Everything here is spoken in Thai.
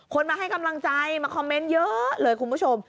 มาให้กำลังใจมาคอมเมนต์เยอะเลยคุณผู้ชม